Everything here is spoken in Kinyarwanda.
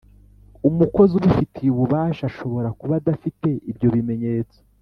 umukozi ubifitiye ububasha ashobora kuba adafite ibyo bimenyetso